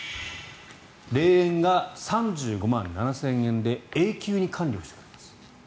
霊園が３５万７０００円で永久に管理をしてくれます。